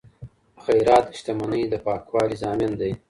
خیرات د شتمنۍ د پاکوالي ضامن دی.